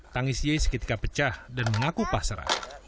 tangis ye seketika pecah dan mengaku pasrah